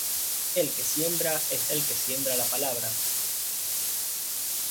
El que siembra es el que siembra la palabra.